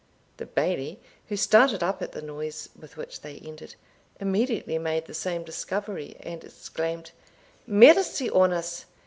The Bailie, who started up at the noise with which they entered, immediately made the same discovery, and exclaimed "Mercy on us!